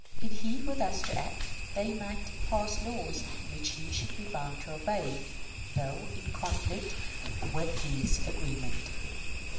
If he were thus to act, they might pass laws which he should be bound to obey, though in conflict with his agreement."